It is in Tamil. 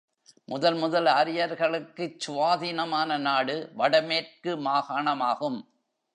முதல் முதல் ஆரியர்களுக்குச் சுவாதீனமான நாடு வடமேற்கு மாகாணமாகும்.